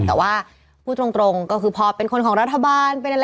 แต่ว่าพูดตรงพอเป็นคนของรัฐบาล